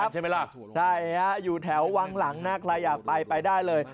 ใช่ครับอยู่แถววางหลังใครอยากไปไปได้เลย